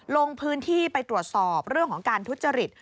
ลงพื้นที่ไปตรวจสอบเรื่องของการทุจริต